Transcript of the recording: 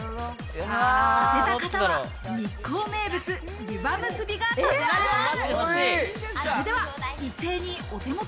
当てた方は日光名物ゆばむすびが食べられます。